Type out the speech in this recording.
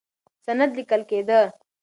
سند لیکل کېده.